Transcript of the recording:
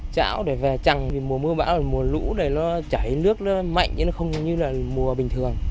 cháo để về chẳng mùa mưa bão mùa lũ để nó chảy nước nó mạnh nó không như là mùa bình thường